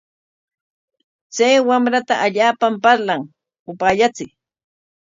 Chay wamrata allaapam parlan, upaallachiy.